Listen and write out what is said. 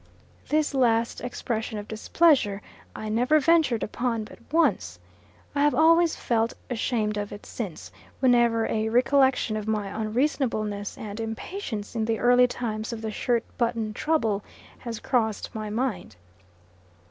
This last expression of displeasure I never ventured upon but once. I have always felt ashamed of it since, whenever a recollection of my unreasonableness and impatience in the early times of the shirt button trouble has crossed my mind.